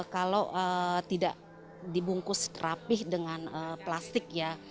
kalau tidak dibungkus rapih dengan plastik ya